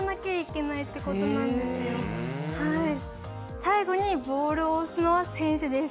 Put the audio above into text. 最後にボールを押すのは選手です。